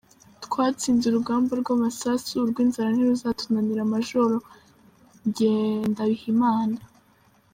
Twatsinze urugamba rw’amasasu urw’inzara ntiruzatunanira Majoro Ngendahimana